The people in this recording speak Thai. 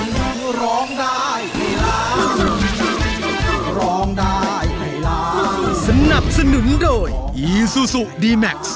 ลูกทุ่งสู้ชีวิต